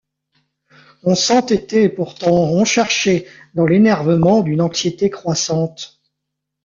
On s’entêtait pourtant, on cherchait, dans l’énervement d’une anxiété croissante.